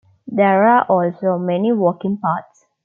There are also many walking paths.